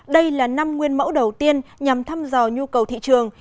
đây là năm nguyên mẫu đầu tiên nhằm thăm dò nhu cầu thị trường